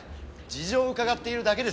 事情を伺っているだけですから。